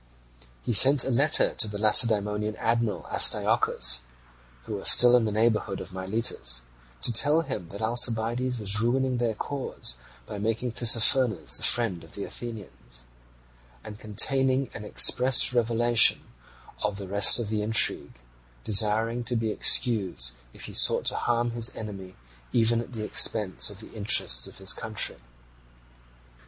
He sent a secret letter to the Lacedaemonian admiral Astyochus, who was still in the neighbourhood of Miletus, to tell him that Alcibiades was ruining their cause by making Tissaphernes the friend of the Athenians, and containing an express revelation of the rest of the intrigue, desiring to be excused if he sought to harm his enemy even at the expense of the interests of his country.